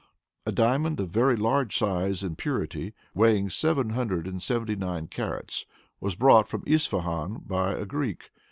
A diamond of very large size and purity, weighing seven hundred and seventy nine carats, was brought from Ispahan by a Greek.